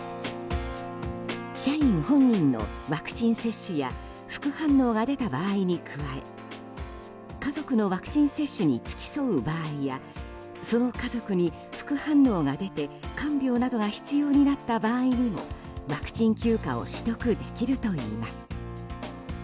社員本人もワクチン接種や副反応が出た場合に加え家族のワクチン接種に付き添う場合やその家族に副反応が出て看病などが必要になった場合にもワクチン休暇を取得できるといいます。